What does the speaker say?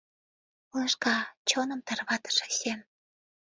Лыжга, чоным тарватыше сем!